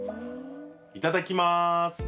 いただきまーす！